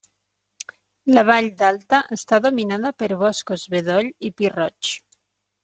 La vall d'Alta està dominada per boscos bedoll i pi roig.